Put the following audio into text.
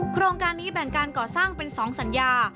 โครงการนี้แบ่งการก่อสร้างเป็น๒สัญญา